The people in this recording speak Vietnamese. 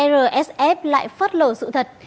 rsf lại phất lở sự thật